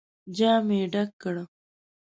جام يې ډک کړ.